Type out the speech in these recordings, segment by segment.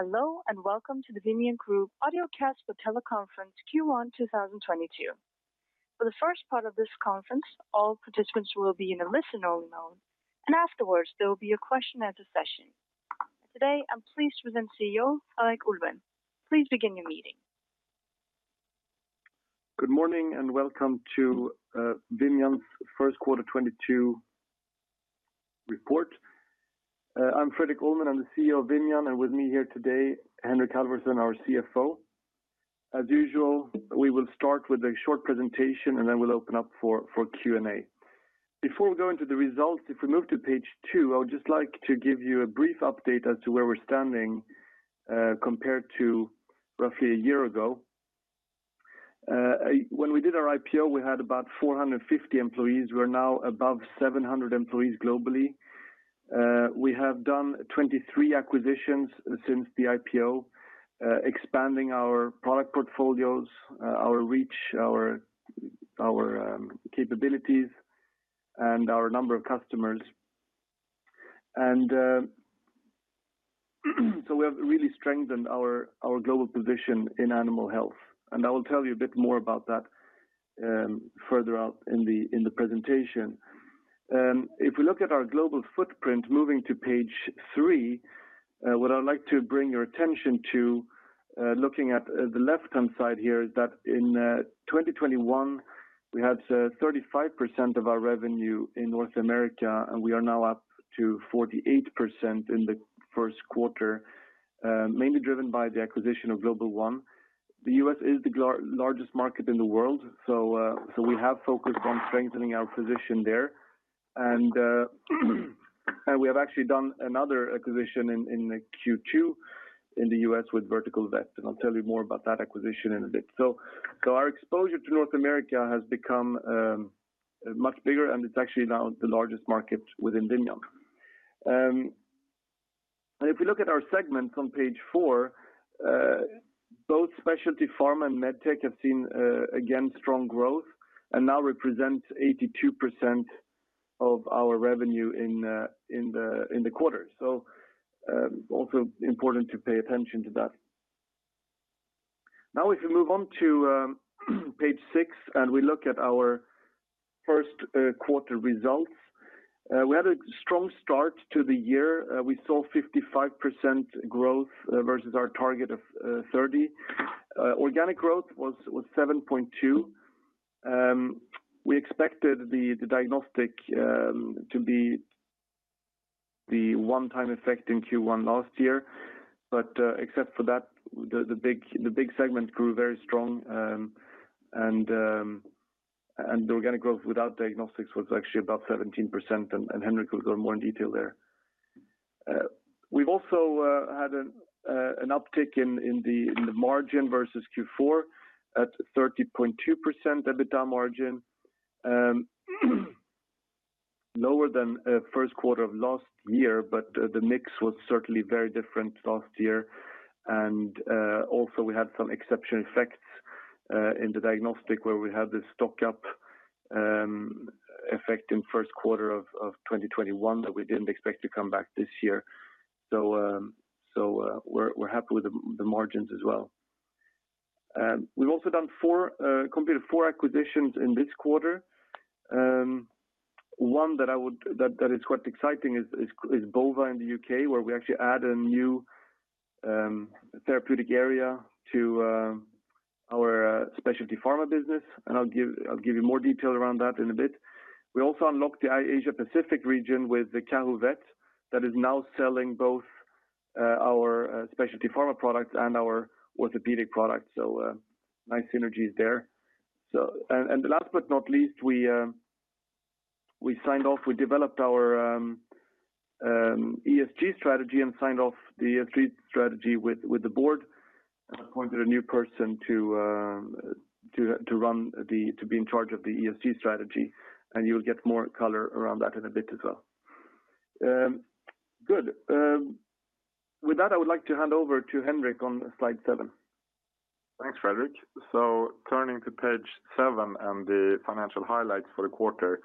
Hello, and welcome to the Vimian Group audiocast for teleconference Q1 2022. For the first part of this conference, all participants will be in a listen-only mode, and afterwards, there will be a question and answer session. Today, I'm pleased to present CEO Fredrik Ullman. Please begin your meeting. Good morning, and welcome to Vimian's Q1 2022 report. I'm Fredrik Ullman. I'm the CEO of Vimian, and with me here today, Henrik Halvorsen, our CFO. As usual, we will start with a short presentation, and then we'll open up for Q&A. Before we go into the results, if we move to page two, I would just like to give you a brief update as to where we're standing compared to roughly a year ago. When we did our IPO, we had about 450 employees. We're now above 700 employees globally. We have done 23 acquisitions since the IPO, expanding our product portfolios, our reach, our capabilities, and our number of customers. We have really strengthened our global position in animal health. I will tell you a bit more about that, further out in the presentation. If we look at our global footprint, moving to page three, what I would like to bring your attention to, looking at the left-hand side here is that in 2021, we had 35% of our revenue in North America, and we are now up to 48% in the Q1, mainly driven by the acquisition of Global One. The U.S. is the world's largest market in the world, so we have focused on strengthening our position there. We have actually done another acquisition in Q2 in the U.S. with VerticalVet, and I'll tell you more about that acquisition in a bit. Our exposure to North America has become much bigger, and it's actually now the largest market within Vimian. If we look at our segments on page four, both Specialty Pharma and MedTech have seen again strong growth and now represent 82% of our revenue in the quarter. Also important to pay attention to that. If we move on to page 6 and we look at our Q1 results, we had a strong start to the year. We saw 55% growth versus our target of 30%. Organic growth was 7.2%. We expected the Diagnostics to be the one-time effect in Q1 last year. Except for that, the big segment grew very strong. The organic growth without diagnostics was actually about 17%, and Henrik will go more in detail there. We've also had an uptick in the margin versus Q4 at 30.2% EBITDA margin. Lower than Q1 of last year, but the mix was certainly very different last year. Also, we had some exceptional effects in the diagnostics, where we had the stock up effect in Q1 of 2021 that we didn't expect to come back this year. We're happy with the margins as well. We've also completed four acquisitions in this quarter. One that is quite exciting is Bova in the UK, where we actually add a new therapeutic area to our specialty pharma business, and I'll give you more detail around that in a bit. We also unlocked the Asia Pacific region with the Cahill Vet that is now selling both our specialty pharma products and our orthopedic products. Nice synergies there. Last but not least, we developed our ESG strategy and signed off the ESG strategy with the board, appointed a new person to be in charge of the ESG strategy, and you'll get more color around that in a bit as well. Good. With that, I would like to hand over to Henrik on slide seven. Thanks, Fredrik. Turning to page seven and the financial highlights for the quarter.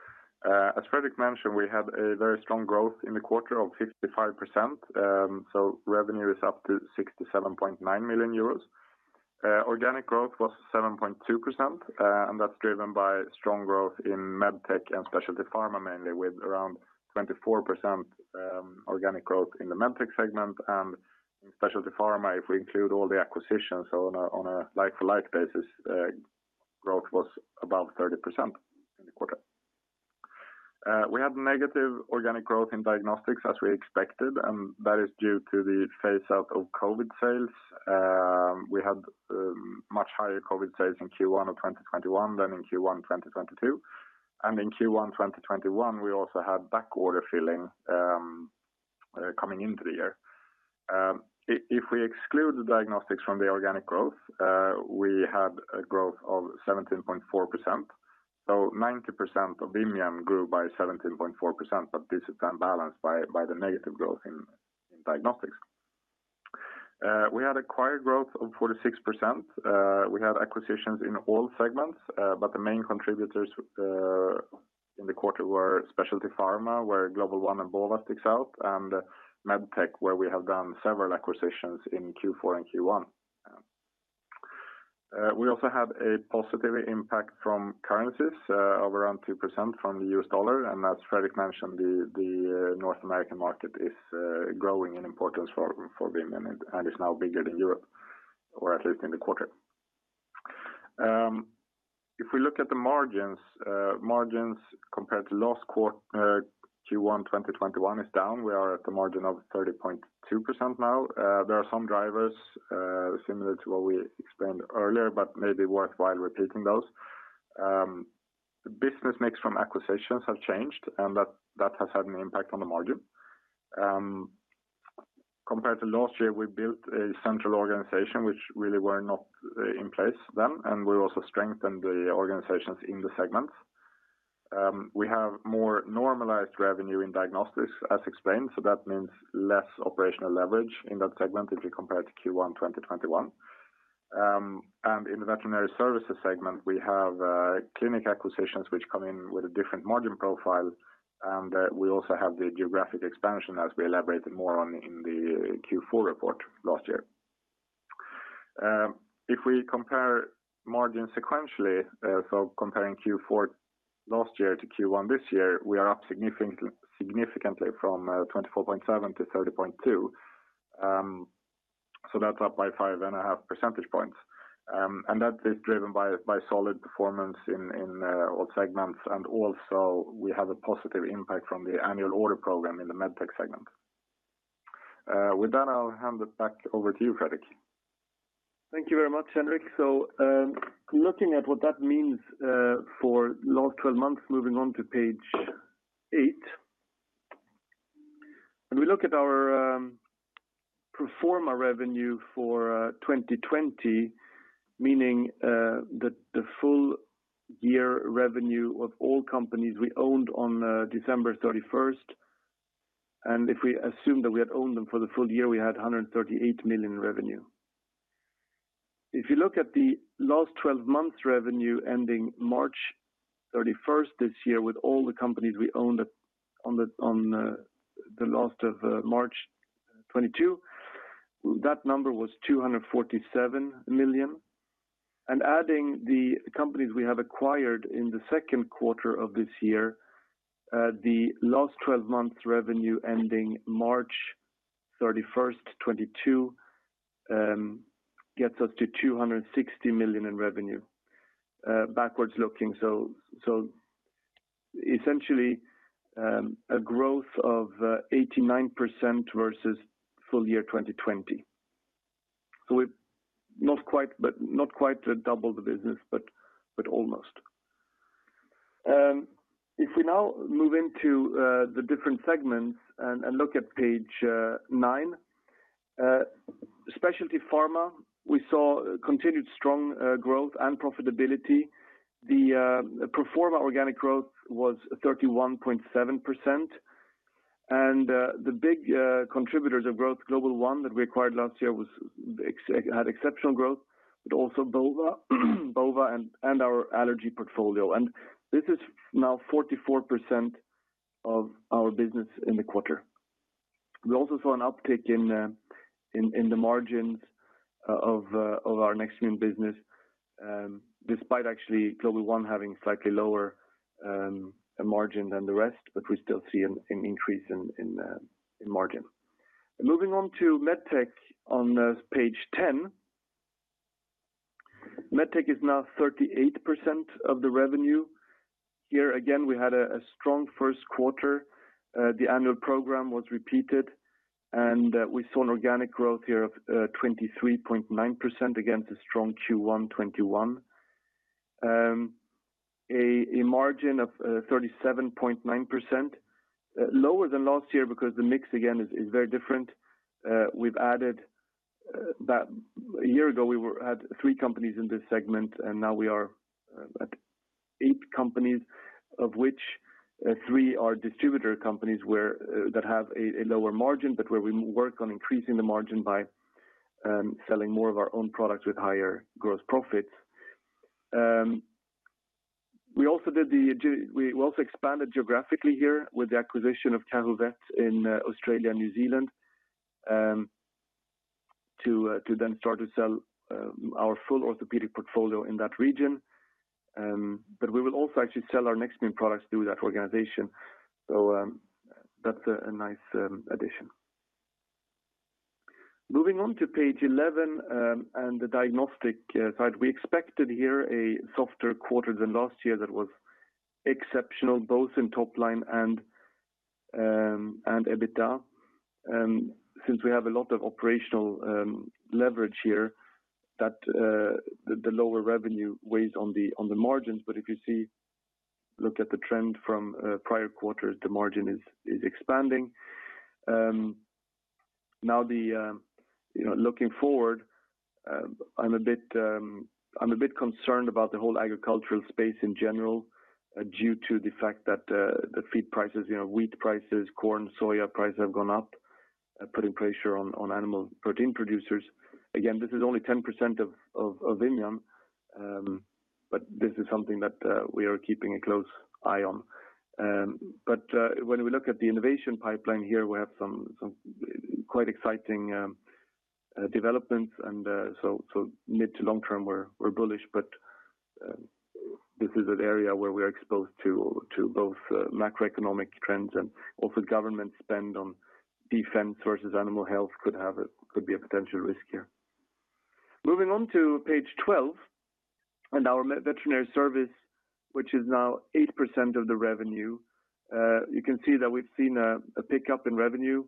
As Fredrik mentioned, we had a very strong growth in the quarter of 55%, so revenue is up to 67.9 million euros. Organic growth was 7.2%, and that's driven by strong growth in MedTech and Specialty Pharma, mainly with around 24% organic growth in the MedTech segment. In Specialty Pharma, if we include all the acquisitions on a like-for-like basis, growth was above 30% in the quarter. We had negative organic growth in Diagnostics as we expected, and that is due to the phase out of COVID sales. We had much higher COVID sales in Q1 of 2021 than in Q1 2022. In Q1 2021, we also had backorder filling coming into the year. If we exclude the diagnostics from the organic growth, we had a growth of 17.4%. 90% of Vimian grew by 17.4%, but this is then balanced by the negative growth in diagnostics. We had acquired growth of 46%. We had acquisitions in all segments, but the main contributors in the quarter were Specialty Pharma, where Global One and Bova sticks out, and MedTech, where we have done several acquisitions in Q4 and Q1. We also have a positive impact from currencies of around 2% from the US dollar. As Fredrik mentioned, North American market is growing in importance for Vimian, and it's now bigger than Europe, or at least in the quarter. If we look at the margins compared to last quarter, Q1 2021 is down. We are at the margin of 30.2% now. There are some drivers similar to what we explained earlier, but maybe worthwhile repeating those. The business mix from acquisitions have changed, and that has had an impact on the margin. Compared to last year, we built a central organization which really were not in place then, and we also strengthened the organizations in the segments. We have more normalized revenue in diagnostics, as explained, so that means less operational leverage in that segment if you compare it to Q1 2021. In the Veterinary Services segment, we have clinic acquisitions which come in with a different margin profile, and we also have the geographic expansion as we elaborated more on in the Q4 report last year. If we compare margins sequentially, comparing Q4 last year to Q1 this year, we are up significantly from 24.7% to 30.2%. That's up by 5.5% points. That is driven by solid performance in all segments. Also we have a positive impact from the annual order program in the MedTech segment. With that, I'll hand it back over to you, Fredrik. Thank you very much, Henrik. Looking at what that means for last twelve months, moving on to page eight. When we look at our pro forma revenue for 2020, meaning the full year revenue of all companies we owned on December 31, and if we assume that we had owned them for the full year, we had 138 million in revenue. If you look at the last twelve months revenue ending March 31 this year, with all the companies we owned on the last of March 2022, that number was 247 million. Adding the companies we have acquired in theQ2 of this year, the last twelve months revenue ending March 31, 2022, gets us to 260 million in revenue, backwards looking. Essentially, a growth of 89% versus full year 2020. Not quite double the business, but almost. If we now move into the different segments and look at page nine. Specialty Pharma, we saw continued strong growth and profitability. The pro forma organic growth was 31.7%. The big contributors of growth, Global One that we acquired last year had exceptional growth, but also Bova and our allergy portfolio. This is now 44% of our business in the quarter. We also saw an uptick in the margins of our Nextmune business, despite actually Global One having slightly lower margin than the rest, but we still see an increase in margin. Moving on to MedTech on page 10. MedTech is now 38% of the revenue. Here again, we had a strong Q1 The annual program was repeated and we saw an organic growth here of 23.9% against a strong Q1 2021. A margin of 37.9%, lower than last year because the mix again is very different. We've added that a year ago we had three companies in this segment, and now we are at eight companies, of which three are distributor companies where they have a lower margin, but where we work on increasing the margin by selling more of our own products with higher gross profits. We also expanded geographically here with the acquisition of Cahill Vet in Australia and New Zealand, to then start to sell our full orthopedic portfolio in that region. We will also actually sell our Nextmune products through that organization. That's a nice addition. Moving on to page 11 and the diagnostics side. We expected here a softer quarter than last year that was exceptional, both in top line and EBITDA. Since we have a lot of operational leverage here that the lower revenue weighs on the margins. If you see, look at the trend from prior quarters, the margin is expanding. Now, you know, looking forward, I'm a bit concerned about the whole agricultural space in general, due to the fact that the feed prices, you know, wheat prices, corn, soy prices have gone up. Putting pressure on animal protein producers. Again, this is only 10% of Vimian, but this is something that we are keeping a close eye on. When we look at the innovation pipeline here, we have some quite exciting developments and, so mid to long term we're bullish, but this is an area where we are exposed to both macroeconomic trends and also government spending on defense versus animal health could be a potential risk here. Moving on to page 12 and our veterinary service, which is now 8% of the revenue. You can see that we've seen a pickup in revenue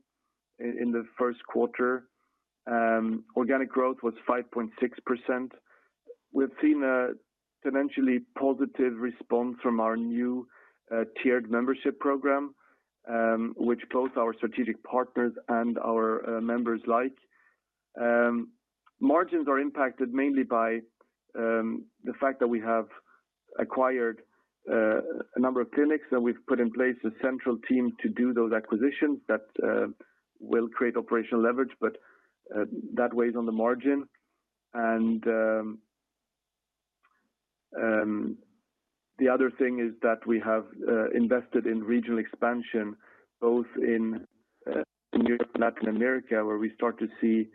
in the Q1. Organic growth was 5.6%. We've seen a financially positive response from our new tiered membership program, which both our strategic partners and our members like. Margins are impacted mainly by the fact that we have acquired a number of clinics, that we've put in place a central team to do those acquisitions that will create operational leverage, but that weighs on the margin. The other thing is that we have invested in regional expansion, both in Latin America, where we start to see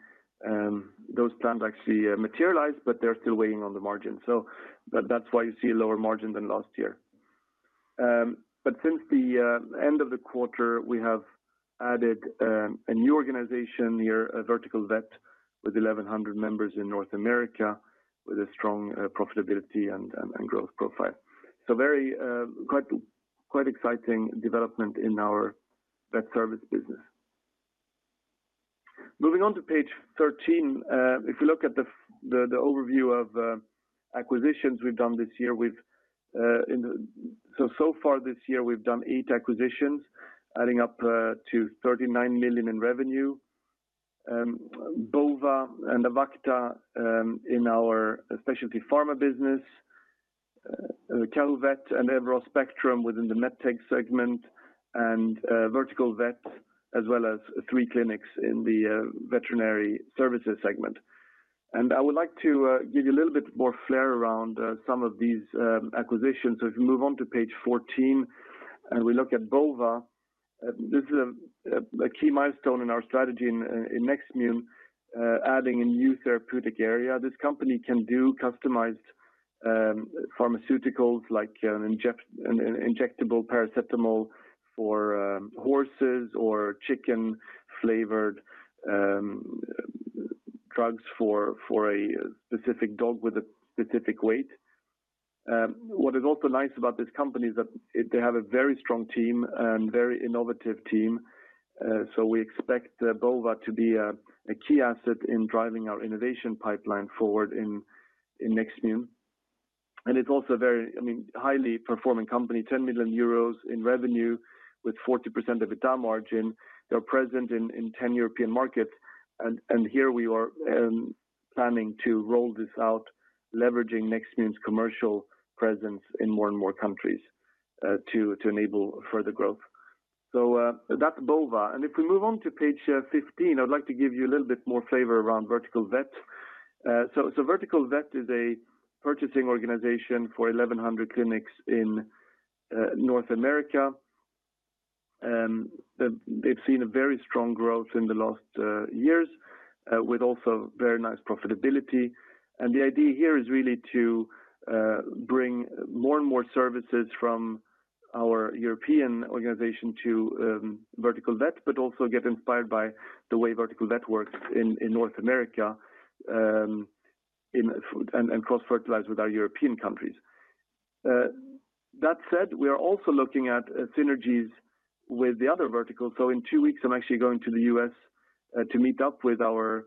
those plans actually materialize, but they're still weighing on the margin. That's why you see a lower margin than last year. Since the end of the quarter, we have added a new organization here, VerticalVet with 1,100 members in North America with a strong profitability and growth profile. Very quite exciting development in our vet service business. Moving on to page 13, if you look at the overview of acquisitions we've done this year. So far this year, we've done 8 acquisitions, adding up to 39 million in revenue. Bova and Avacta in our specialty pharma business, Cahill Vet and Everost Spectrum within the MedTech segment and VerticalVet, as well as three clinics in the veterinary services segment. I would like to give you a little bit more flair around some of these acquisitions. If you move on to page 14 and we look at Bova, this is a key milestone in our strategy in Nextmune, adding a new therapeutic area. This company can do customized pharmaceuticals like an injectable paracetamol for horses or chicken-flavored drugs for a specific dog with a specific weight. What is also nice about this company is that they have a very strong team and very innovative team. We expect Bova to be a key asset in driving our innovation pipeline forward in Nextmune. It's also very, I mean, highly performing company, 10 million euros in revenue with 40% EBITDA margin. They are present in 10 European markets. Here we are planning to roll this out, leveraging Nextmune's commercial presence in more and more countries to enable further growth. That's Bova. If we move on to page 15, I'd like to give you a little bit more flavor around VerticalVet. VerticalVet is a purchasing organization for 1,100 clinics in North America. They've seen a very strong growth in the last years with also very nice profitability. The idea here is really to bring more and more services from our European organization to VerticalVet, but also get inspired by the way VerticalVet works in North America and cross-fertilize with our European countries. That said, we are also looking at synergies with the other verticals. In two weeks, I'm actually going to the U.S. to meet up with our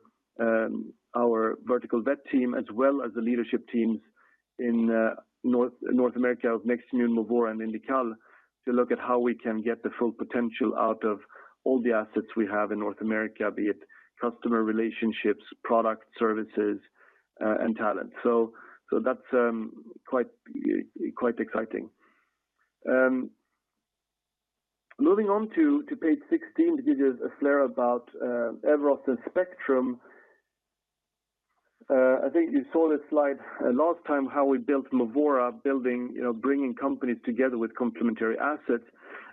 VerticalVet team, as well as the leadership teams in North America of Nextmune, Movora and Indical, to look at how we can get the full potential out of all the assets we have in North America, be it customer relationships, product services, and talent. That's quite exciting. Moving on to page 16 to give you a flavor about Everost and Spectrum. I think you saw this slide last time, how we built Movora, you know, bringing companies together with complementary assets.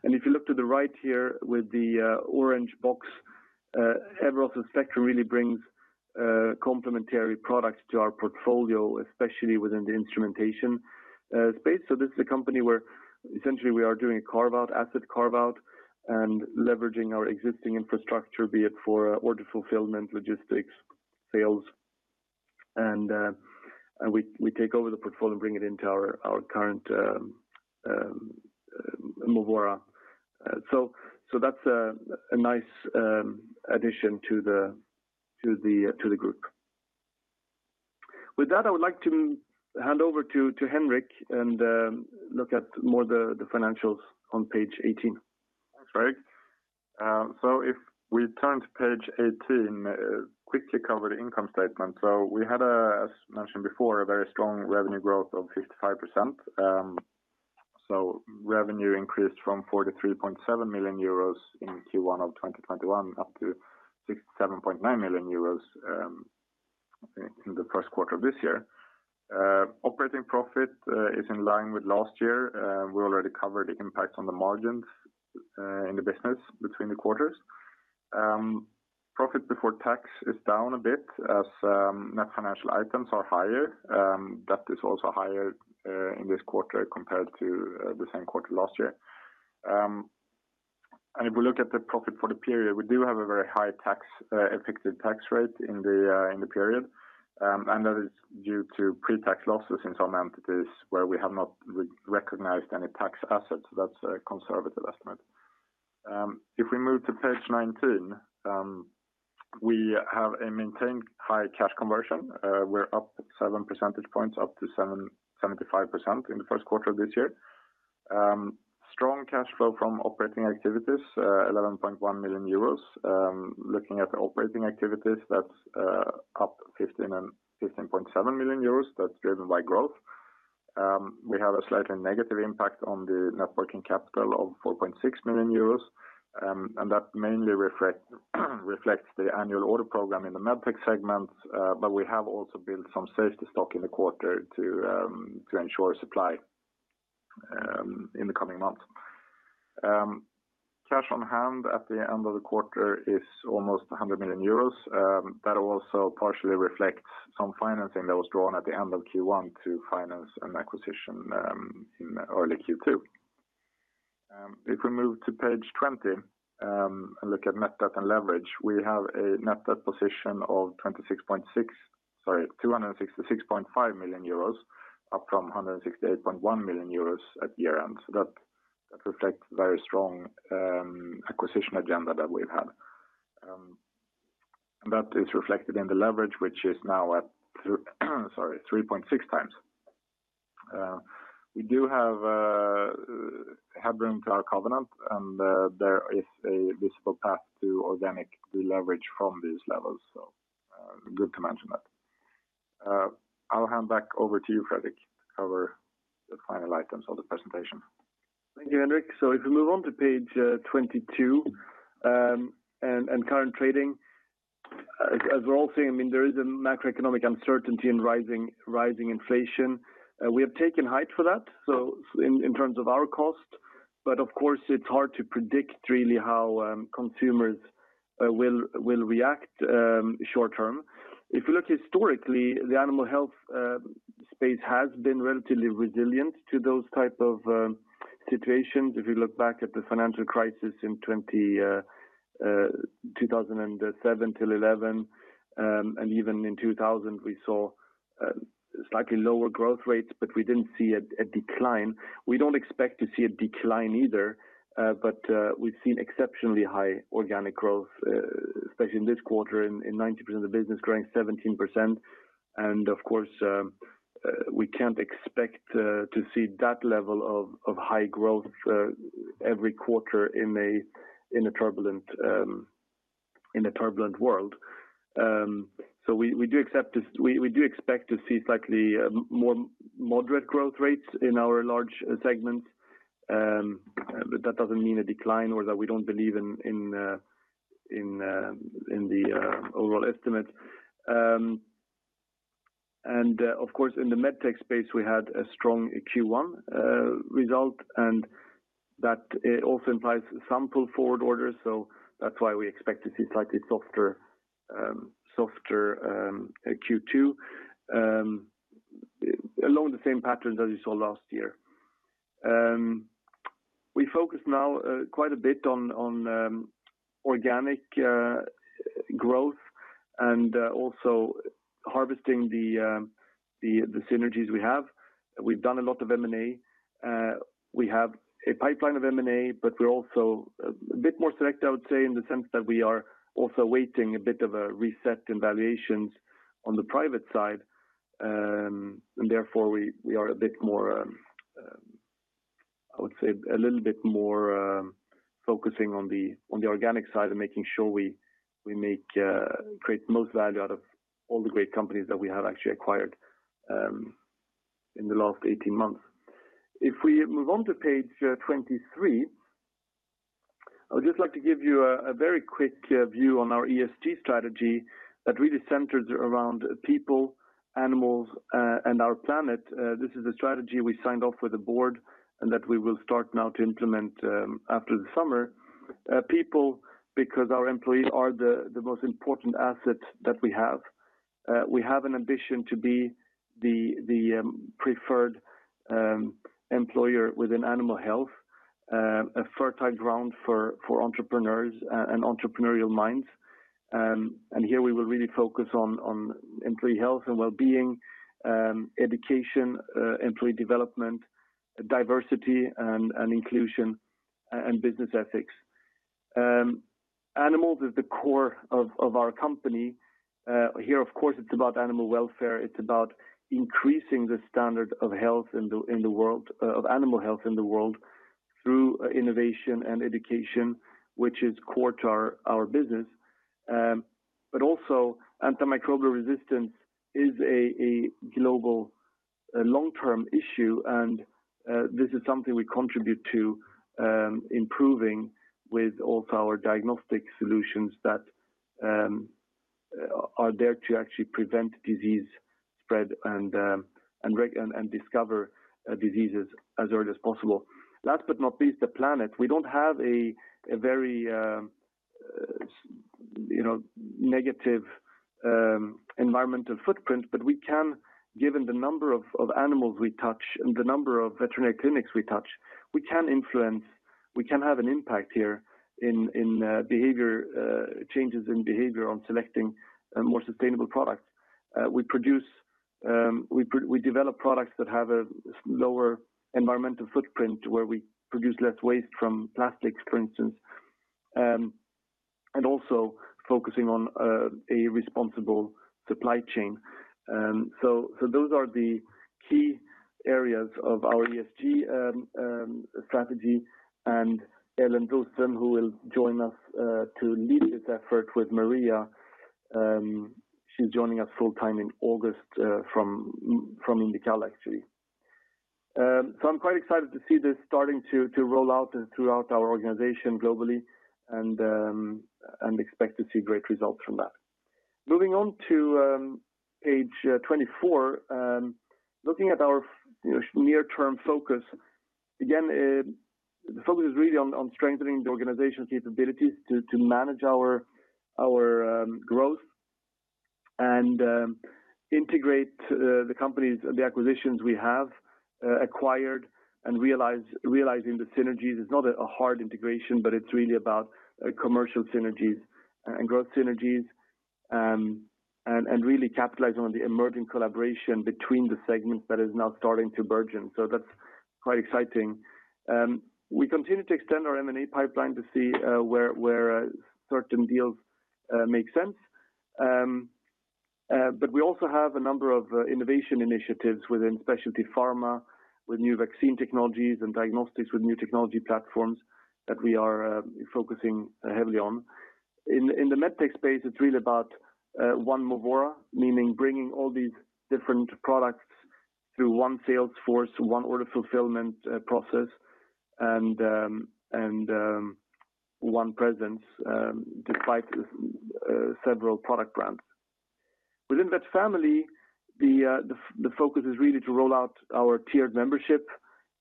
If you look to the right here with the orange box, Everost and Spectrum really brings complementary products to our portfolio, especially within the instrumentation space. This is a company where essentially we are doing a carve-out, asset carve-out and leveraging our existing infrastructure, be it for order fulfillment, logistics, sales. And we take over the portfolio, bring it into our current Movora. So that's a nice addition to the group. With that, I would like to hand over to Henrik and look more at the financials on page 18. Thanks, Fredrik Ullman. If we turn to page 18, quickly cover the income statement. We had, as mentioned before, a very strong revenue growth of 55%. Revenue increased from 43.7 million euros in Q1 of 2021 up to 67.9 million euros in the Q1 of this year. Operating profit is in line with last year. We already covered the impact on the margins in the business between the quarters. Profit before tax is down a bit as net financial items are higher, that is also higher in this quarter compared to the same quarter last year. If we look at the profit for the period, we do have a very high effective tax rate in the period. That is due to pre-tax losses in some entities where we have not re-recognized any tax assets. That's a conservative estimate. If we move to page 19, we have a maintained high cash conversion. We're up 7% points, up to 75% in the Q1 of this year. Strong cash flow from operating activities, 11.1 million euros. Looking at the operating activities, that's up 15 and 15.7 million euros. That's driven by growth. We have a slightly negative impact on the net working capital of 4.6 million euros, and that mainly reflects the annual order program in the MedTech segment, but we have also built some safety stock in the quarter to ensure supply in the coming months. Cash on hand at the end of the quarter is almost 100 million euros, that also partially reflects some financing that was drawn at the end of Q1 to finance an acquisition in early Q2. If we move to page 20 and look at net debt and leverage, we have a net debt position of 266.5 million euros, up from 168.1 million euros at year-end. That reflects very strong acquisition agenda that we've had. That is reflected in the leverage, which is now at 3.6 times. We do have headroom to our covenant, and there is a visible path to organic deleverage from these levels. Good to mention that. I'll hand back over to you, Fredrik, to cover the final items of the presentation. Thank you, Henrik. If we move on to page 22 and current trading, as we're all seeing, I mean, there is a macroeconomic uncertainty and rising inflation. We have taken heed for that, so in terms of our cost, but of course, it's hard to predict really how consumers will react short term. If you look historically, the animal health space has been relatively resilient to those type of situations. If you look back at the financial crisis in 2007 till 2011 and even in 2020, we saw slightly lower growth rates, but we didn't see a decline. We don't expect to see a decline either, but we've seen exceptionally high organic growth, especially in this quarter, in 90% of the business growing 17%. Of course, we can't expect to see that level of high growth every quarter in a turbulent world. We do expect to see slightly more moderate growth rates in our large segments, but that doesn't mean a decline or that we don't believe in the overall estimates. Of course, in the MedTech space, we had a strong Q1 result, and that also implies some pull forward orders. That's why we expect to see slightly softer Q2 along the same pattern that you saw last year. We focus now quite a bit on organic growth and also harvesting the synergies we have. We've done a lot of M&A. We have a pipeline of M&A, but we're also a bit more select, I would say, in the sense that we are also waiting a bit of a reset in valuations on the private side. Therefore, we are a bit more, I would say a little bit more, focusing on the organic side and making sure we create the most value out of all the great companies that we have actually acquired, in the last 18 months. If we move on to page 23, I would just like to give you a very quick view on our ESG strategy that really centers around people, animals, and our planet. This is a strategy we signed off with the board and that we will start now to implement after the summer. People, because our employees are the most important asset that we have. We have an ambition to be the preferred employer within animal health, a fertile ground for entrepreneurs and entrepreneurial minds. Here we will really focus on employee health and wellbeing, education, employee development, diversity and inclusion, and business ethics. Animals is the core of our company. Here, of course, it's about animal welfare. It's about increasing the standard of health in the world of animal health in the world. Through innovation and education, which is core to our business. Also antimicrobial resistance is a global long-term issue, and this is something we contribute to improving with also our diagnostic solutions that are there to actually prevent disease spread and discover diseases as early as possible. Last but not least, the planet. We don't have a very, you know, negative environmental footprint, but we can, given the number of animals we touch and the number of veterinary clinics we touch, influence. We can have an impact here in behavior changes in behavior on selecting more sustainable products. We develop products that have a lower environmental footprint, where we produce less waste from plastics, for instance, and also focusing on a responsible supply chain. So those are the key areas of our ESG strategy. Elin Gusten, who will join us to lead this effort with Maria, she's joining us full-time in August from Indical actually. I'm quite excited to see this starting to roll out throughout our organization globally and expect to see great results from that. Moving on to page 24, looking at our, you know, near-term focus, again, the focus is really on strengthening the organization's capabilities to manage our growth and integrate the companies, the acquisitions we have acquired and realizing the synergies. It's not a hard integration, but it's really about commercial synergies and growth synergies, and really capitalizing on the emerging collaboration between the segments that is now starting to burgeon. That's quite exciting. We continue to extend our M&A pipeline to see where certain deals make sense. But we also have a number of innovation initiatives within Specialty Pharma, with new vaccine technologies and diagnostics, with new technology platforms that we are focusing heavily on. In the MedTech space, it's really about one Movora, meaning bringing all these different products through one sales force, one order fulfillment process and one presence despite several product brands. Within that family, the focus is really to roll out our tiered membership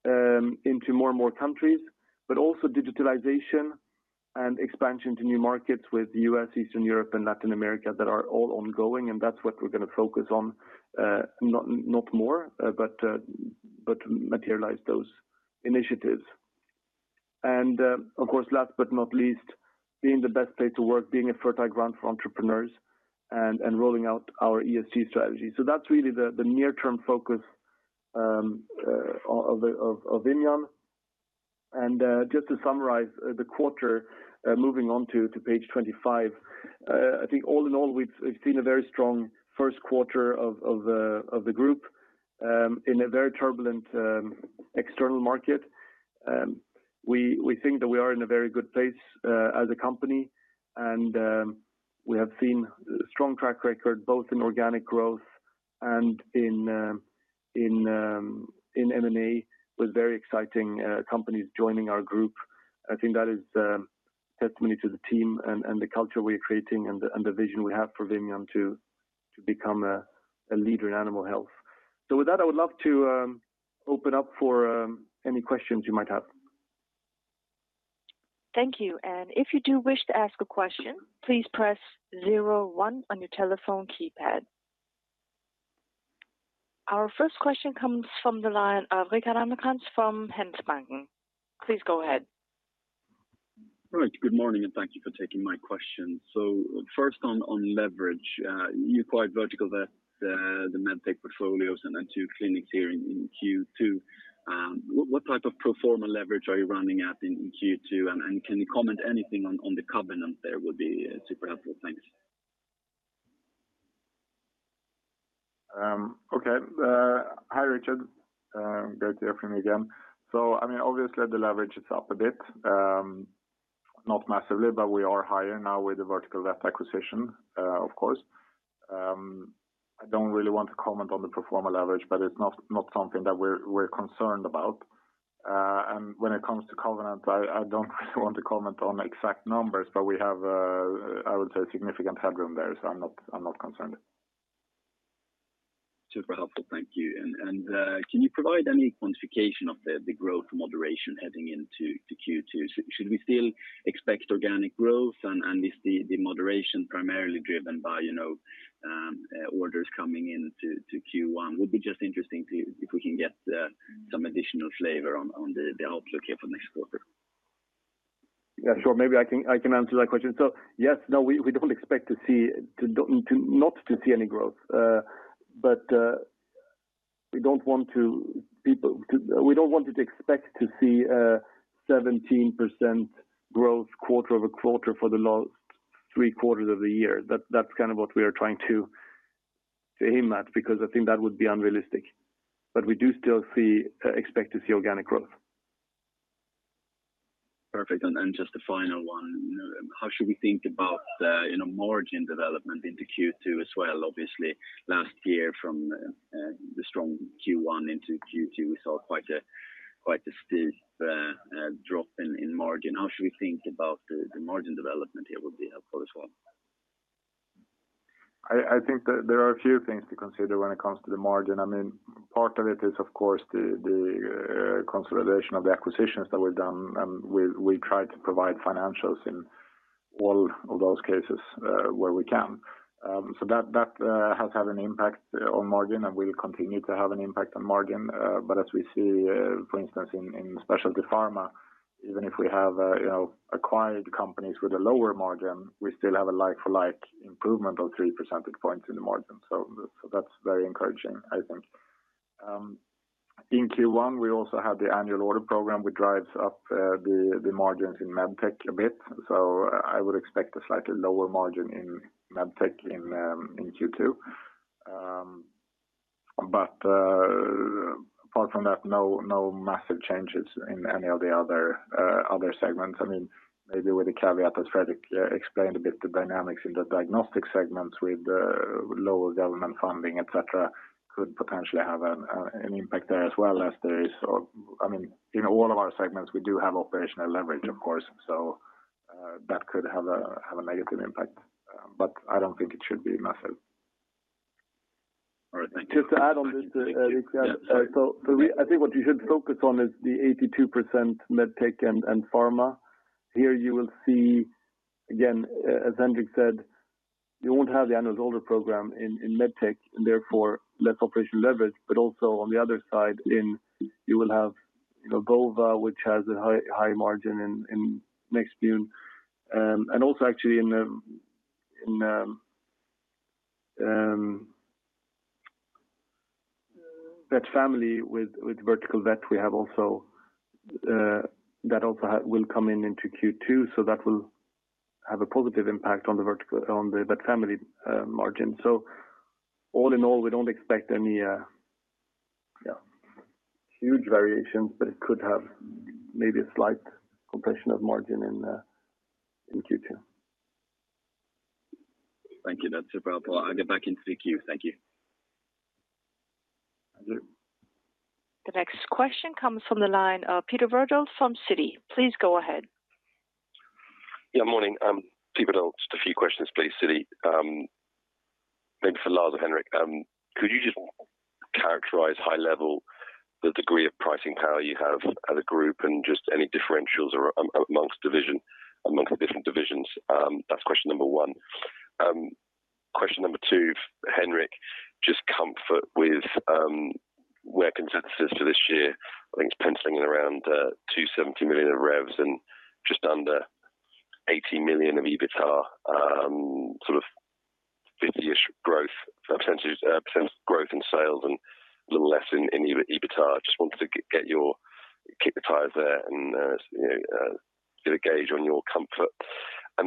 into more and more countries, but also digitalization and expansion to new markets with US, Eastern Europe and Latin America that are all ongoing, and that's what we're gonna focus on. But materialize those initiatives. Of course, last but not least, being the best place to work, being a fertile ground for entrepreneurs and rolling out our ESG strategy. That's really the near-term focus of Vimian. Just to summarize the quarter, moving on to page 25. I think all in all, we've seen a very strong Q1 of the group in a very turbulent external market. We think that we are in a very good place as a company and we have seen strong track record both in organic growth and in M&A with very exciting companies joining our group. I think that is testimony to the team and the culture we are creating and the vision we have for Vimian to become a leader in animal health. With that, I would love to open up for any questions you might have. Thank you. If you do wish to ask a question, please press zero one on your telephone keypad. Our first question comes from the line of Richard Koch from Handelsbanken. Please go ahead. Right. Good morning, and thank you for taking my question. First on leverage, you acquired VerticalVet, the MedTech portfolios and then two clinics here in Q2. What type of pro forma leverage are you running at in Q2? And can you comment anything on the covenant there would be super helpful. Thanks. Okay. Hi, Richard. Great to hear from you again. I mean, obviously the leverage is up a bit, not massively, but we are higher now with the VerticalVet acquisition, of course. I don't really want to comment on the pro forma leverage, but it's not something that we're concerned about. When it comes to covenant, I don't really want to comment on exact numbers, but we have, I would say significant headroom there, so I'm not concerned. Super helpful. Thank you. Can you provide any quantification of the growth moderation heading into Q2? Should we still expect organic growth? Is the moderation primarily driven by orders coming into Q1? Would be just interesting if we can get some additional flavor on the outlook here for next quarter. Yeah, sure. Maybe I can answer that question. Yes, no, we don't expect not to see any growth. We don't want to expect to see 17% growth quarter-over-quarter for the last three quarters of the year. That's kind of what we are trying to. To aim at, because I think that would be unrealistic. We do still expect to see organic growth. Perfect. Then just a final one. How should we think about margin development into Q2 as well? Obviously last year from the strong Q1 into Q2, we saw quite a steep drop in margin. How should we think about the margin development here? Would be helpful as well. I think that there are a few things to consider when it comes to the margin. I mean, part of it is of course the consolidation of the acquisitions that we've done, and we try to provide financials in all of those cases, where we can. That has had an impact on margin and will continue to have an impact on margin. But as we see, for instance, in Specialty Pharma, even if we have, you know, acquired companies with a lower margin, we still have a like-for-like improvement of 3% points in the margin. That's very encouraging, I think. In Q1, we also have the annual order program, which drives up the margins in MedTech a bit. I would expect a slightly lower margin in MedTech in Q2. Apart from that, no massive changes in any of the other segments. I mean, maybe with the caveat that Fredrik explained a bit, the dynamics in the diagnostic segments with lower government funding, et cetera, could potentially have an impact there as well as there is. I mean, in all of our segments, we do have operational leverage of course. That could have a negative impact. I don't think it should be massive. All right. Thank you. Just to add on this, Fredrik. Yeah, sorry. For me, I think what you should focus on is the 82% MedTech and Pharma. Here, you will see again, as Henrik said, you won't have the annual order program in MedTech and therefore less operational leverage. But also on the other side, in Pharma you will have, you know, Bova which has a high margin in Nextmune. And also actually in VetFamily with VerticalVet, we also have that will come into Q2, so that will have a positive impact on the VetFamily margin. All in all, we don't expect any huge variations, but it could have maybe a slight compression of margin in Q2. Thank you. That's super helpful. I'll get back in the queue. Thank you. Thank you. The next question comes from the line of Peter Verdult from Citi. Please go ahead. Morning, Peter Verdult. Just a few questions, please. Citi. Maybe for Lars or Henrik. Could you just characterize high level the degree of pricing power you have as a group and just any differentials or amongst among the different divisions? That's question number one. Question number two, Henrik, just comfort with where consensus is for this year. I think it's penciling in around 270 million of revs and just under 80 million of EBITA, sort of 50-ish percent growth in sales and little less in EBITA. Just wanted to get your take and, you know, get a gauge on your comfort.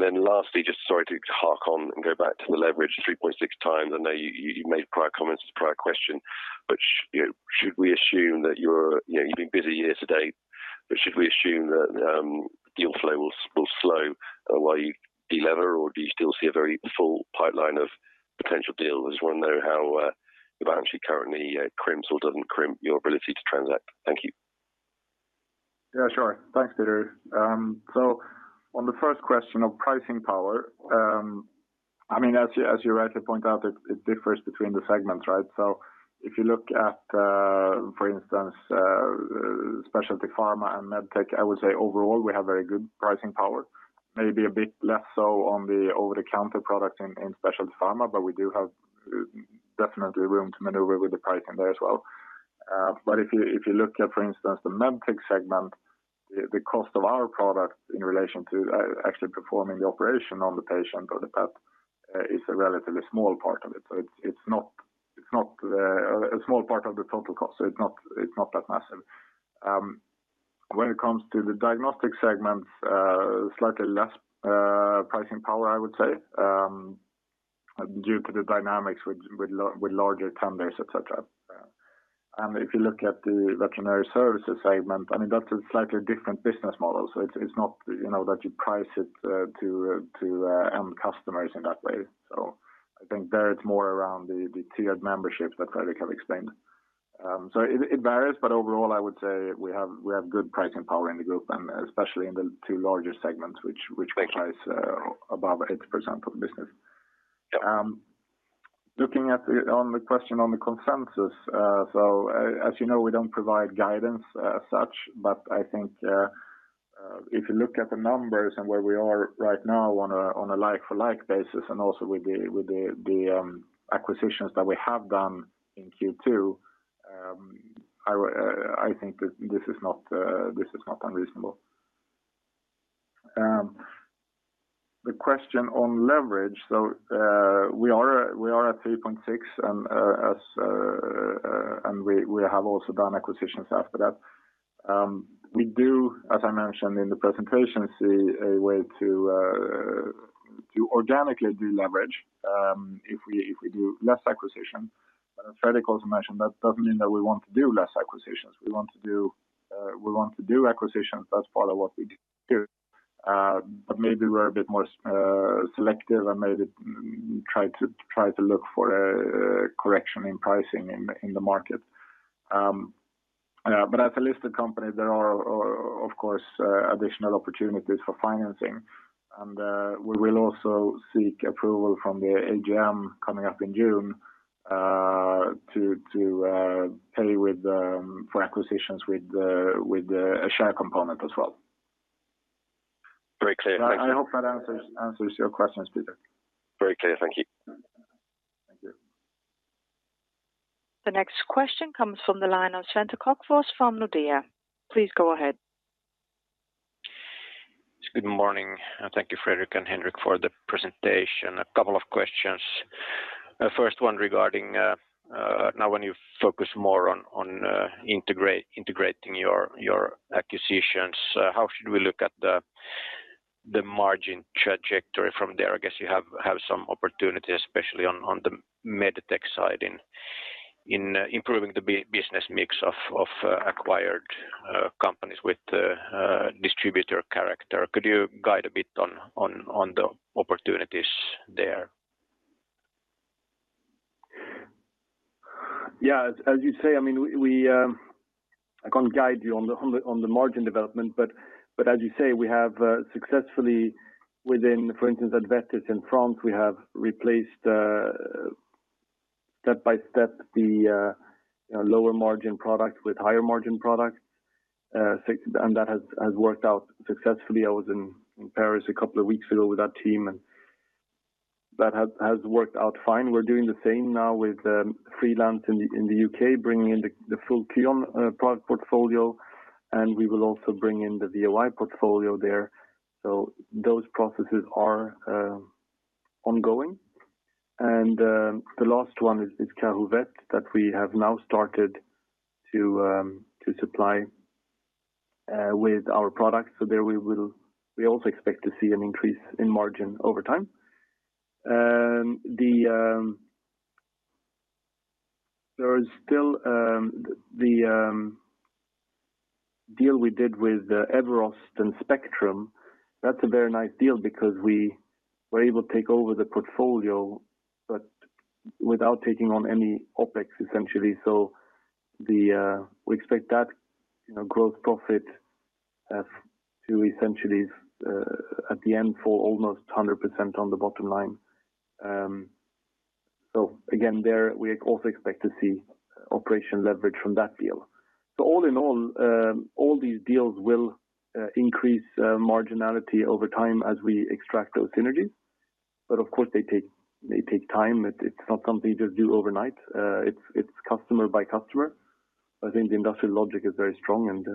Then lastly, just sorry to harp on and go back to the leverage 3.6 times. I know you made prior comments as a prior question, but you know, should we assume that you're, you know, you've been busy year to date, but should we assume that deal flow will slow while you delever or do you still see a very full pipeline of potential deals? Just wanna know how the balance sheet currently crimps or doesn't crimp your ability to transact. Thank you. Yeah, sure. Thanks, Peter. On the first question of pricing power, I mean, as you rightly point out, it differs between the segments, right? If you look at, for instance, Specialty Pharma and MedTech, I would say overall we have very good pricing power. Maybe a bit less so on the over-the-counter product in Specialty Pharma, but we do have definitely room to maneuver with the pricing there as well. But if you look at, for instance, the MedTech segment, the cost of our product in relation to actually performing the operation on the patient or the pet is a relatively small part of it. It's not a small part of the total cost. It's not that massive. When it comes to the Diagnostics segment, slightly less pricing power I would say, due to the dynamics with larger tenders, et cetera. If you look at the Veterinary Services segment, I mean, that's a slightly different business model. It's not, you know, that you price it to end customers in that way. I think there it's more around the tiered memberships that Fredrik have explained. It varies, but overall I would say we have good pricing power in the group, and especially in the two larger segments which comprise above 80% of the business. Yeah. Looking at the question on the consensus. As you know, we don't provide guidance as such, but I think if you look at the numbers and where we are right now on a like-for-like basis and also with the acquisitions that we have done in Q2, I would think that this is not unreasonable. The question on leverage. We are at 3.6 and as We have also done acquisitions after that. We do, as I mentioned in the presentation, see a way to organically deleverage if we do less acquisition. Fredrik also mentioned that doesn't mean that we want to do less acquisitions. We want to do acquisitions as part of what we do. Maybe we're a bit more selective and maybe try to look for a correction in pricing in the market. As a listed company, there are of course additional opportunities for financing, and we will also seek approval from the AGM coming up in June to pay for acquisitions with a share component as well. Very clear. Thank you. I hope that answers your questions, Peter. Very clear. Thank you. Thank you. The next question comes from the line of Sander Kox from Nordea. Please go ahead. Good morning, and thank you, Fredrik and Henrik, for the presentation. A couple of questions. First one regarding now when you focus more on integrating your acquisitions, how should we look at the margin trajectory from there? I guess you have some opportunities, especially on the MedTech side in improving the business mix of acquired companies with distributor character. Could you guide a bit on the opportunities there? As you say, I mean, we can't guide you on the margin development, but as you say, we have successfully within, for instance, AdVetis in France, we have replaced step by step the lower margin product with higher margin products. And that has worked out successfully. I was in Paris a couple of weeks ago with that team, and that has worked out fine. We're doing the same now with Freelance Surgical in the UK, bringing in the full KYON product portfolio, and we will also bring in the VOI portfolio there. So those processes are ongoing. The last one is Kahuvet, that we have now started to supply with our products. We also expect to see an increase in margin over time. There is still the deal we did with Everost and Spectrum. That's a very nice deal because we were able to take over the portfolio, but without taking on any OpEx, essentially. We expect that, you know, growth profit to essentially at the end fall almost 100% on the bottom line. Again, there we also expect to see operational leverage from that deal. All in all these deals will increase marginality over time as we extract those synergies. But of course, they take time. It's not something you just do overnight. It's customer by customer. I think the industrial logic is very strong and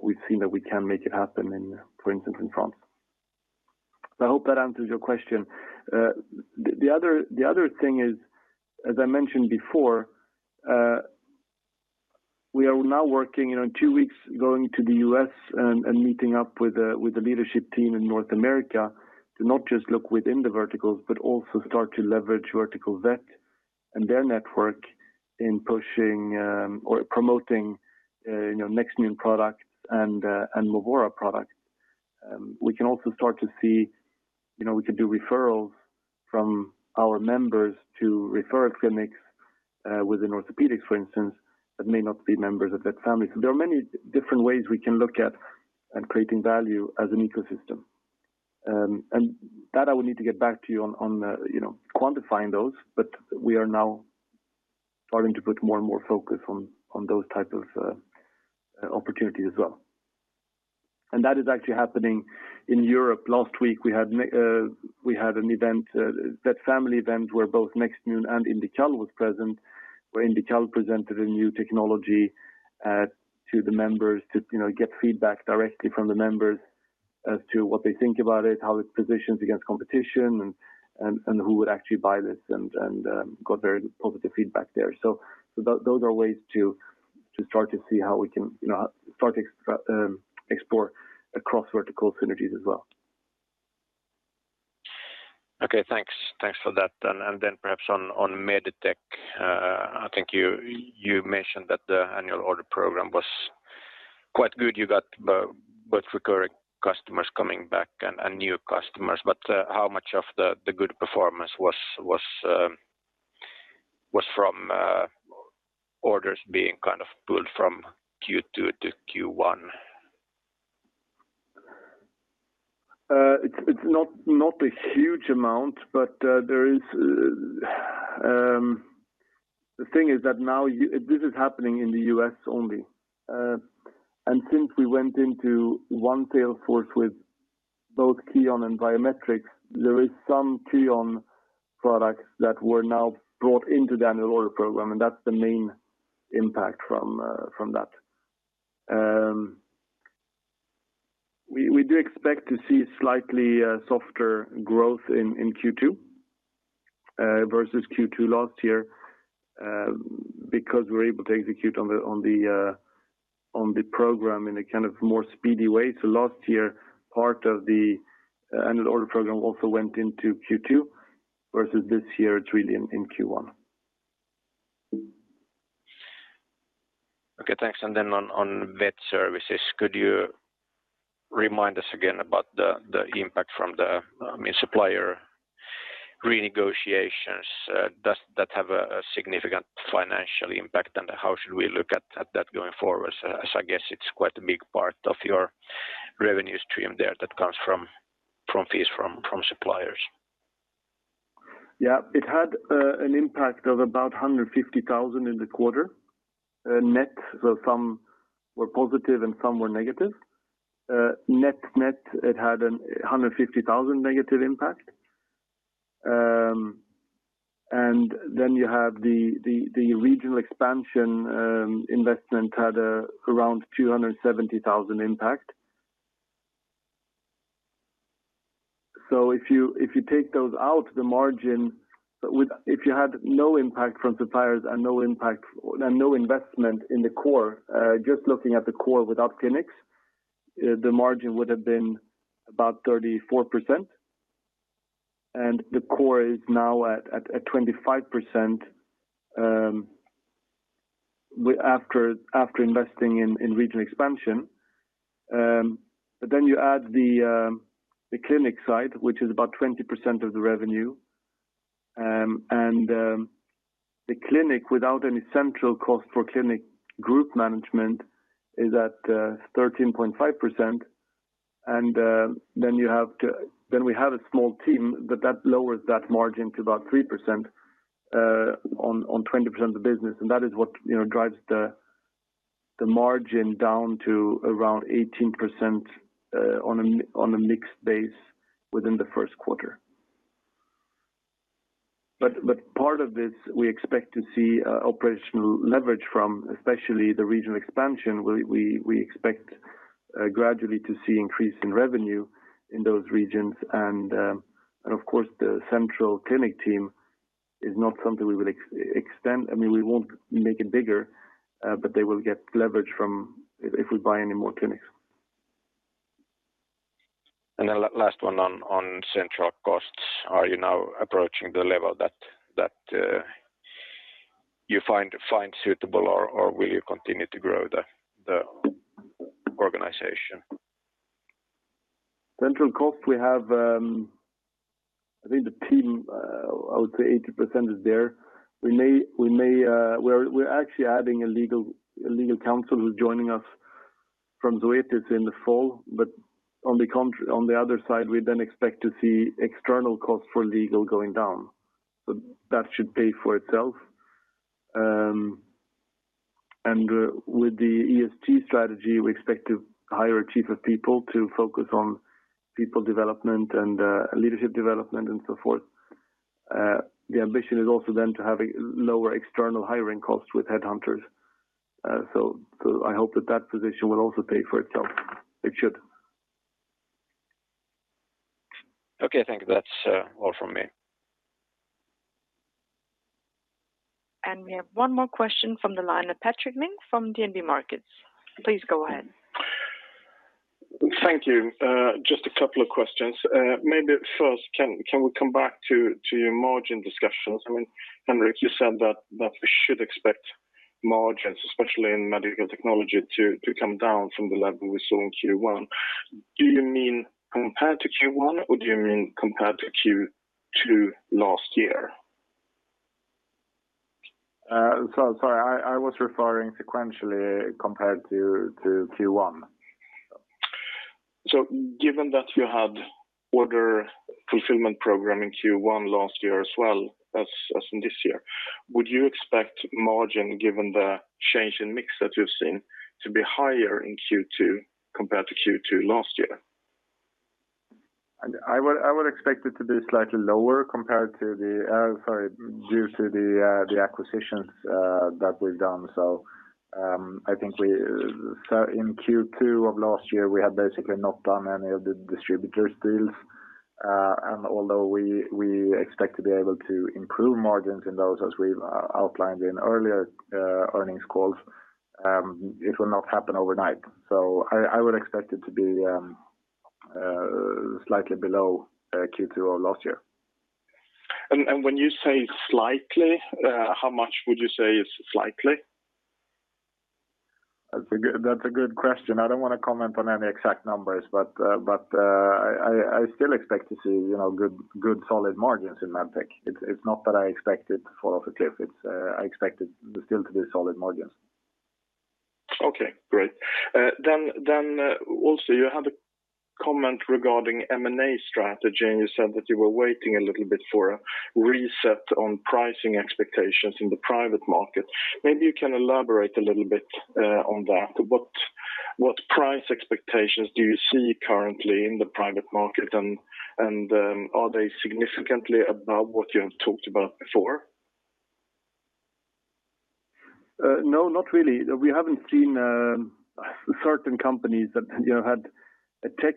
we've seen that we can make it happen in, for instance, in France. I hope that answers your question. The other thing is, as I mentioned before, we are now working, you know, two weeks going to the US and meeting up with the leadership team in North America to not just look within the verticals, but also start to leverage VerticalVet and their network in pushing or promoting, you know, Nextmune products and Movora products. We can also start to see, you know, we can do referrals from our members to refer clinics within orthopedics, for instance, that may not be members of VetFamily. There are many different ways we can look at and creating value as an ecosystem. That I will need to get back to you on, you know, quantifying those, but we are now starting to put more and more focus on those type of opportunities as well. That is actually happening in Europe. Last week, we had a VetFamily event where both Nextmune and Indical was present, where Indical presented a new technology to the members to, you know, get feedback directly from the members as to what they think about it, how it positions against competition and who would actually buy this and got very positive feedback there. Those are ways to start to see how we can, you know, explore across vertical synergies as well. Okay, thanks. Thanks for that. Perhaps on MedTech, I think you mentioned that the annual order program was quite good. You got both recurring customers coming back and new customers, but how much of the good performance was from orders being kind of pulled from Q2 to Q1? It's not a huge amount, but there is. The thing is that now this is happening in the U.S. only. Since we went into one sales force with both KYON and BioMedtrix, there is some KYON products that were now brought into the annual order program, and that's the main impact from that. We do expect to see slightly softer growth in Q2 versus Q2 last year, because we're able to execute on the program in a kind of more speedy way. Last year, part of the annual order program also went into Q2, versus this year it's really in Q1. Okay, thanks. On vet services, could you remind us again about the impact from the, I mean, supplier renegotiations? Does that have a significant financial impact, and how should we look at that going forward? As I guess it's quite a big part of your revenue stream there that comes from fees from suppliers. Yeah. It had an impact of about 150 thousand in the quarter. Net, so some were positive and some were negative. Net-net, it had a 150 thousand negative impact. You have the regional expansion investment had around 270 thousand impact. If you take those out, if you had no impact from suppliers and no investment in the core, just looking at the core without clinics, the margin would have been about 34%. The core is now at 25%, after investing in regional expansion. You add the clinic side, which is about 20% of the revenue. The clinic without any central cost for clinic group management is at 13.5%. We have a small team, but that lowers that margin to about 3% on 20% of the business, and that is what, you know, drives the margin down to around 18% on a mixed base within the Q1. Part of this, we expect to see operational leverage from, especially the regional expansion. We expect gradually to see increase in revenue in those regions. Of course, the central clinic team is not something we will extend. I mean, we won't make it bigger, but they will get leverage from if we buy any more clinics. Last one on central costs. Are you now approaching the level that you find suitable, or will you continue to grow the organization? Central cost, we have, I think the team, I would say 80% is there. We're actually adding a legal counsel who's joining us from Zoetis in the fall. On the other side, we then expect to see external costs for legal going down. That should pay for itself. With the ESG strategy, we expect to hire a chief of people to focus on people development and leadership development and so forth. The ambition is also then to have a lower external hiring costs with headhunters. I hope that position will also pay for itself. It should. Okay, thank you. That's all from me. We have one more question from the line of Patrik Eriksson from DNB Markets. Please go ahead. Thank you. Just a couple of questions. Maybe first, can we come back to your margin discussions? I mean, Henrik, you said that we should expect margins, especially in medical technology, to come down from the level we saw in Q1. Do you mean compared to Q1, or do you mean compared to Q2 last year? Sorry, I was referring sequentially compared to Q1. Given that you had order fulfillment program in Q1 last year as well as in this year, would you expect margin, given the change in mix that you've seen, to be higher in Q2 compared to Q2 last year? I would expect it to be slightly lower due to the acquisitions that we've done. In Q2 of last year, we had basically not done any of the distributors deals. Although we expect to be able to improve margins in those as we've outlined in earlier earnings calls, it will not happen overnight. I would expect it to be slightly below Q2 of last year. When you say slightly, how much would you say is slightly? That's a good question. I don't want to comment on any exact numbers, but I still expect to see, you know, good solid margins in MedTech. It's not that I expect it to fall off a cliff. It's I expect it still to be solid margins. Okay, great. Then also you had a comment regarding M&A strategy, and you said that you were waiting a little bit for a reset on pricing expectations in the private market. Maybe you can elaborate a little bit on that. What price expectations do you see currently in the private market and are they significantly above what you have talked about before? No, not really. We haven't seen certain companies that, you know, had a tech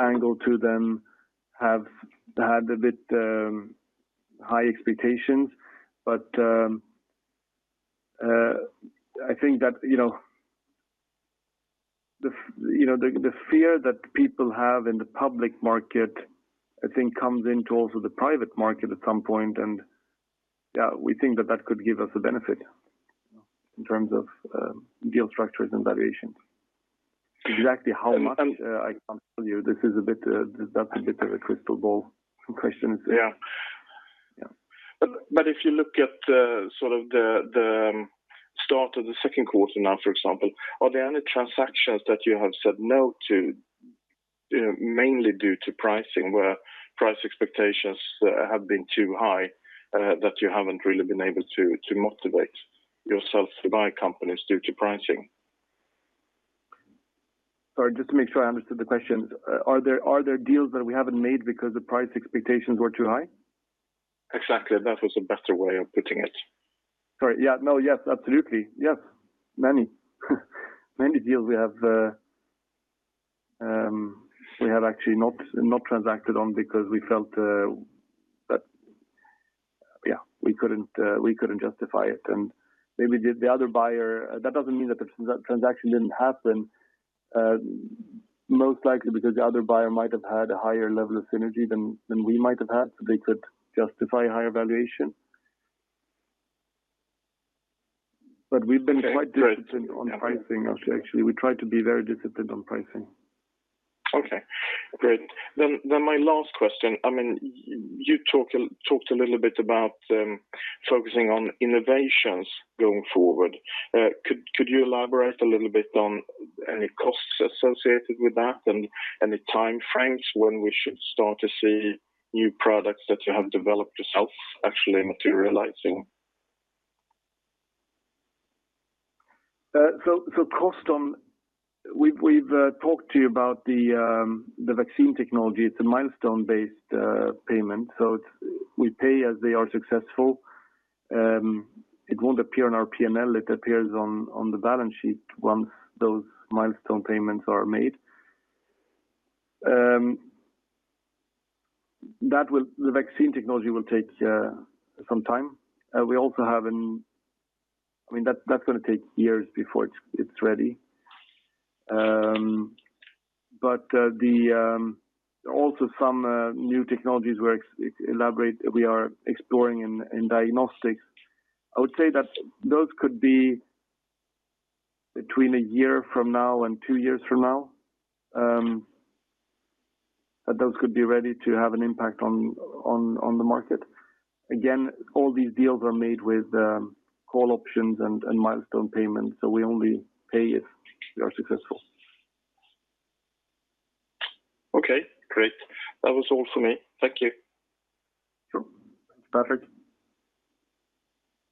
angle to them have had a bit high expectations. I think that, you know, the fear that people have in the public market, I think comes into also the private market at some point, and, yeah, we think that that could give us a benefit in terms of deal structures and valuations. Exactly how much, I can't tell you. This is a bit, that's a bit of a crystal ball question. Yeah. Yeah. If you look at the start of the Q2now, for example, are there any transactions that you have said no to, you know, mainly due to pricing, where price expectations have been too high, that you haven't really been able to motivate yourself to buy companies due to pricing? Sorry, just to make sure I understood the question. Are there deals that we haven't made because the price expectations were too high? Exactly. That was a better way of putting it. Sorry, yeah. No, yes, absolutely. Yes. Many deals we have, we have actually not transacted on because we felt that yeah we couldn't justify it. Maybe the other buyer. That doesn't mean that the transaction didn't happen, most likely because the other buyer might have had a higher level of synergy than we might have had, so they could justify higher valuation. We've been quite disciplined on pricing actually. We try to be very disciplined on pricing. Okay, great. My last question, I mean, you talked a little bit about focusing on innovations going forward. Could you elaborate a little bit on any costs associated with that and any time frames when we should start to see new products that you have developed yourself actually materializing? We've talked to you about the vaccine technology. It's a milestone-based payment, so we pay as they are successful. It won't appear on our P&L, it appears on the balance sheet once those milestone payments are made. The vaccine technology will take some time. I mean, that's gonna take years before it's ready. Also some new technologies we are exploring in diagnostics. I would say that those could be between one year from now and two years from now, that those could be ready to have an impact on the market. Again, all these deals are made with call options and milestone payments, so we only pay if they are successful. Okay, great. That was all for me. Thank you. Sure. Patrick.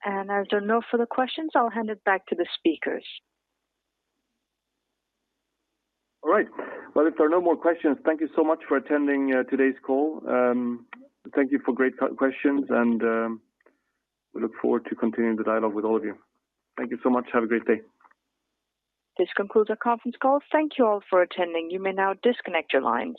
As there are no further questions, I'll hand it back to the speakers. All right. Well, if there are no more questions, thank you so much for attending, today's call. Thank you for great questions, and, we look forward to continuing the dialogue with all of you. Thank you so much. Have a great day. This concludes our conference call. Thank you all for attending. You may now disconnect your lines.